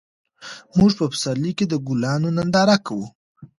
موږ په پسرلي کې د ګلانو ننداره کوو.